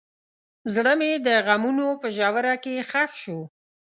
زړه مې د غمونو په ژوره کې ښخ شو.